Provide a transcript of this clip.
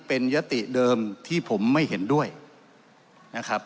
เป็นยติเดิมที่ผมไม่เห็นด้วยนะครับ